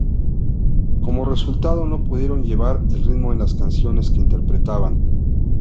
Como resultado, no pudieron llevar el ritmo en las canciones que interpretaban.